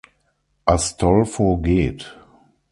Astolfo geht.